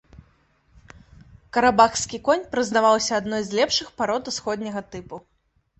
Карабахскі конь прызнаваўся адной з лепшых парод усходняга тыпу.